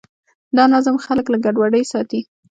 دا نظم خلک له ګډوډۍ ساتي.